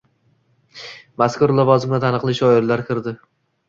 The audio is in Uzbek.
Mazkur lavozimga taniqli shoirlar kirdi.